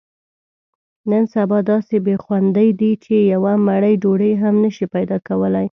نن سبا داسې بې خوندۍ دي، چې یوه مړۍ ډوډۍ هم نشې پیداکولی.